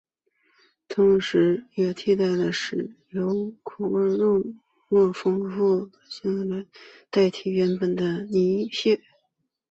同时也替代使用口味和肉质更加丰富的斯里兰卡蟹来代替原本的泥蟹。